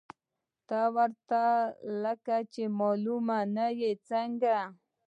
ته ورته لکه چې معلوم نه وې، که څنګه؟